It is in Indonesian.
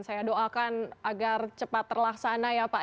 saya doakan agar cepat terlaksana ya pak